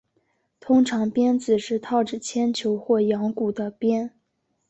通常鞭子是套着铅球或羊骨的鞭。